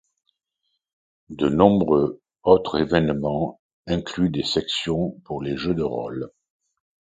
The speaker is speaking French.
De nombreux autres événements incluent des sections pour les Jeux de rôle.